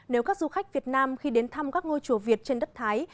nếu các du khách việt nam khi đến thăm các ngôi chùa việt trên đất thái